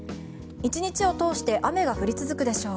１日を通して雨が降り続くでしょう。